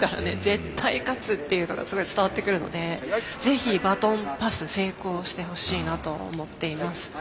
絶対勝つっていうのがすごい伝わってくるのでぜひバトンパス成功してほしいなと思っています。